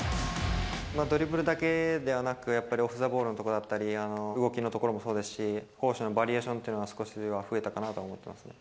ドリブルだけではなく、やっぱりオフ・ザ・ボールのところだったり、動きのところもそうですし、攻守のバリエーションというのも少しは増えたかなと思ってますね。